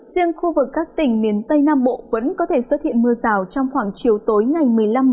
riêng khu vực các tỉnh miền tây nam bộ vẫn có thể xuất hiện mưa rào trong khoảng chiều tối ngày một mươi năm một mươi